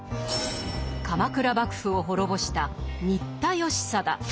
鎌倉幕府を滅ぼした新田義貞。